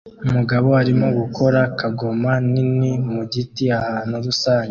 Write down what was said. Umugabo arimo gukora kagoma nini mu giti ahantu rusange